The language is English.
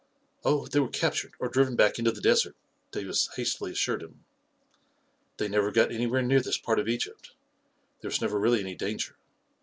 Oh, they were captured or driven back into the desert," Davis hastily assured him. " They never got anywhere near this part of Egypt — there was never really any danger.